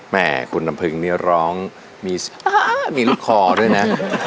แม่คุณณ่ำเพรงร้องมีลูกคอด้วยนะ